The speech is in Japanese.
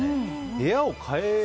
部屋を変える。